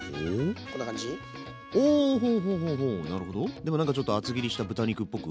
でもなんかちょっと厚切りした豚肉っぽく？